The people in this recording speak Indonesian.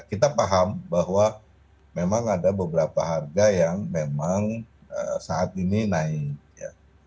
kita paham bahwa memang ada beberapa harga yang memang saat ini naik ya